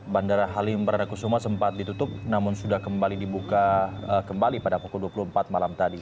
bandara halim perdana kusuma sempat ditutup namun sudah kembali dibuka kembali pada pukul dua puluh empat malam tadi